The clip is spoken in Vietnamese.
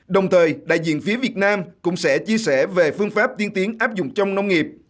đồng thời đại diện phía việt nam cũng sẽ chia sẻ về phương pháp tiên tiến áp dụng trong nông nghiệp